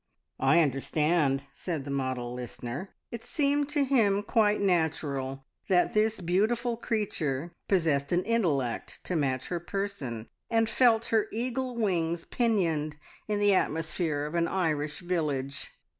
"I understand," said the model listener. It seemed to him quite natural that this beautiful creature possessed an intellect to match her person, and felt her eagle wings pinioned in the atmosphere of an Irish village.